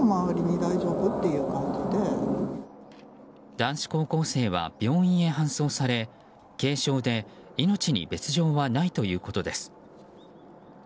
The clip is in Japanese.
男子高校生は病院に搬送され軽傷で命に別条はないということです。